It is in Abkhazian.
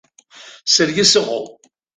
Саргьы сыҟоуп.